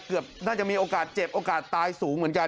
น่าจะมีโอกาสเจ็บโอกาสตายสูงเหมือนกัน